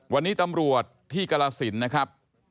วันนี้ตำรวจที่กรสินนะครับ